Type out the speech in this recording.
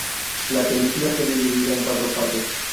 La película está dividida en cuatro partes.